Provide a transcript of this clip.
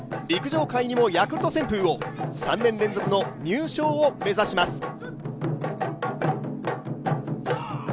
陸上界にもヤクルト旋風を３年連続の入賞を目指します。